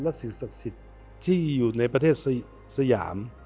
และสิ่งศักดิ์สิทธิ์ที่อยู่ในประเทศสยาม